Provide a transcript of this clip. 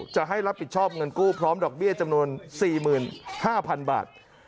จะให้รับผิดชอบเงินกู้พร้อมดอกเบี้ยจำนวนสี่หมื่นห้าพันบาท